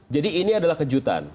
jadi ini adalah kejutan